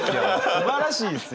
すばらしいですよ！